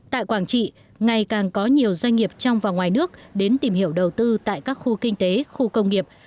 tại quảng trị ngày càng có nhiều doanh nghiệp trong và ngoài nước đến tìm hiểu đầu tư tại các khu kinh tế khu công nghiệp